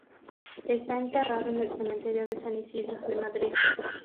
Está enterrado en el cementerio de San Isidro de Madrid.